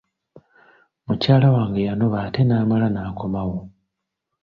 Mukyala wange yanoba ate n'amala n'akomawo.